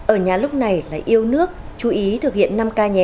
ở nhà lúc này là yêu nước chú ý thực hiện năm ca nhé